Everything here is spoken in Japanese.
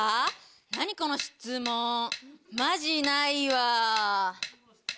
何この質問マジないわ。